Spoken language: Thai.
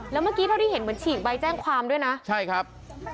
แล้วเมื่อกี้เท่าที่เห็นเหมือนฉีกใบแจ้งความด้วยนะใช่ครับ